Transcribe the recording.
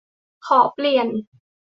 "ขอเปลี่ยน"